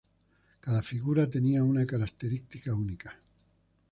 Cada figura tenía una característica única.